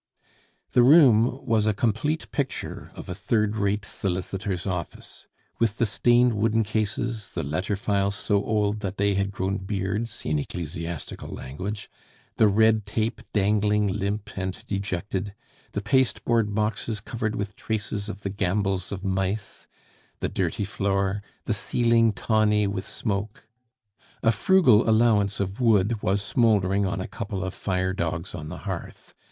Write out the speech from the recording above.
The room was a complete picture of a third rate solicitor's office; with the stained wooden cases, the letter files so old that they had grown beards (in ecclesiastical language), the red tape dangling limp and dejected, the pasteboard boxes covered with traces of the gambols of mice, the dirty floor, the ceiling tawny with smoke. A frugal allowance of wood was smouldering on a couple of fire dogs on the hearth.